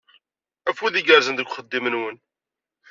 Afud igerrzen deg uxeddim-nwen!